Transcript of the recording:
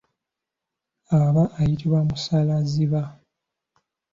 Aba ayitibwa musalazziba.